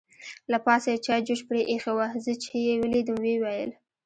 له پاسه یې چای جوش پرې اېښې وه، زه چې یې ولیدم ویې ویل.